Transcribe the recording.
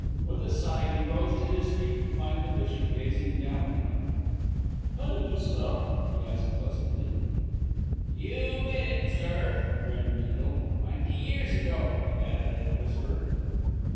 With a sigh he rose to his feet to find the bishop gazing down at him. "Had a mishap?" he asked pleasantly. "You've 'it it, sir," grinned Bindle. "Twenty years ago," he added in a whisper.